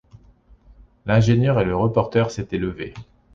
L’ingénieur et le reporter s’étaient levés